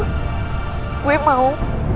kecewa sama lo